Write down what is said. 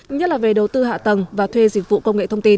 nhất là về đầu tư hạ tầng và thuê dịch vụ công nghệ thông tin